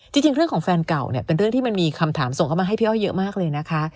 จริงเรื่องของแฟนเก่าเนี่ยเป็นเรื่องที่มันมีคำถามส่งเข้ามาให้พี่อ้อยเยอะมากเลยนะคะ